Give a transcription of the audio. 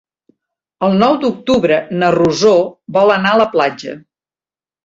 El nou d'octubre na Rosó vol anar a la platja.